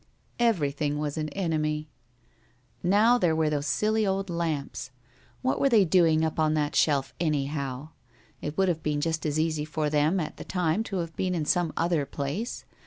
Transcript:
Everything was an enemy. Now there were those silly old lamps what were they doing up on that shelf, anyhow? It would have been just as easy for them at the time to have been in some other place.